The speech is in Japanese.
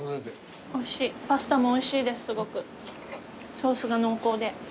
ソースが濃厚で。